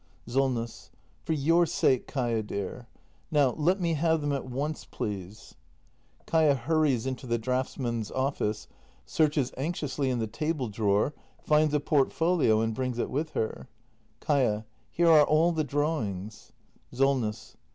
Solness. For your sake, Kaia dear. Now, let me have them at once, please. [Kaia hurries into tJie draughtsmen's office, searches anxiously in tlie table drawer, finds a portfolio and brings it with lier. Kaia. Here are all the drawings. Solness.